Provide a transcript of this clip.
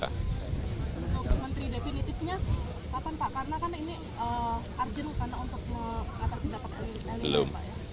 untuk menteri definitifnya pak karena ini arjen untuk mengatasi dapat penyelidikan